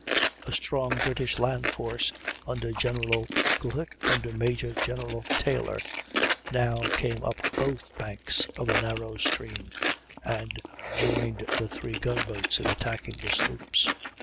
A strong British land force, under Major General Taylor, now came up both banks of the narrow stream, and joined the three gun boats in attacking the sloops.